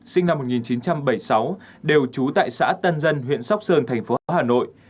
sinh năm một nghìn chín trăm bảy mươi sáu đều trú tại xã tân dân huyện sóc sơn thành phố hà nội